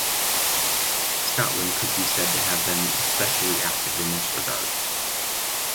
Scotland could be said to have been especially active in this regard.